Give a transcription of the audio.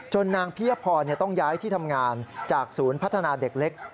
นางพิยพรต้องย้ายที่ทำงานจากศูนย์พัฒนาเด็กเล็ก